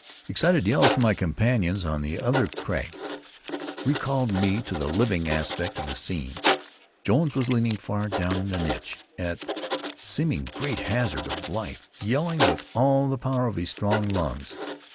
Excited yells from my companions on the other crag recalled me to the living aspect of the scene. Jones was leaning far down in a niche, at seeming great hazard of life, yelling with all the power of his strong lungs.